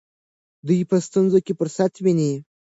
دوی په ستونزو کې فرصت ویني.